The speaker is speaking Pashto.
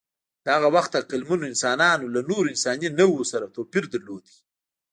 د هغه وخت عقلمنو انسانانو له نورو انساني نوعو سره توپیر درلود.